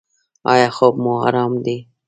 ایا خوب مو ارام دی؟